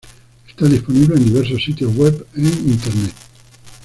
Están disponibles en diversos sitios web en internet.